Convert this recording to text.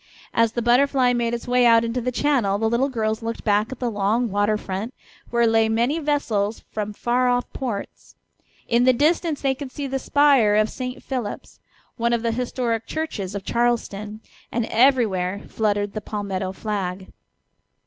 As the Butterfly made its way out into the channel the little girls looked back at the long water front, where lay many vessels from far off ports. In the distance they could see the spire of St. Philip's, one of the historic churches of Charleston, and everywhere fluttered the palmetto flag.